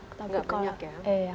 gak banyak ya